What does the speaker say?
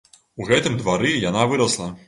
У гэтым двары яна вырасла.